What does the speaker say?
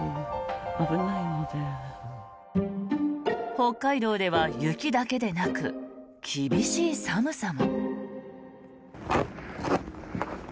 北海道では雪だけでなく厳しい寒さも。